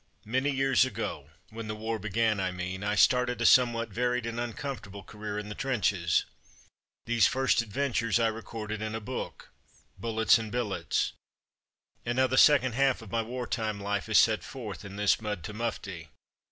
Many years ago (when the war began I mean) I started a somewhat varied and un comfortable career in the trenches. These first adventures I recorded in a book, Bul lets and Billets^ and now the second half of my war time life is set forth in this Mud to Mufti.